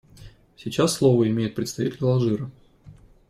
Сейчас слово имеет представитель Алжира.